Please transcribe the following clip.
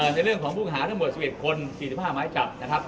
ในเรื่องของผู้หาทั้งหมด๑๑คน๔๕หมายจับนะครับ